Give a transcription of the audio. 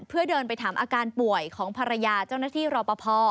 เพื่อเดินไปถามอาการป่วยของภรรยาเจ้าหน้าที่รอปภ